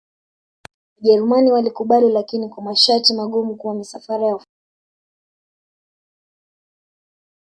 wajerumani walikubali lakini kwa masharti magumu kuwa misafara ya wafanya biashara